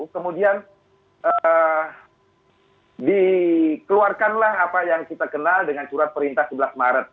kemudian dikeluarkanlah apa yang kita kenal dengan surat perintah sebelas maret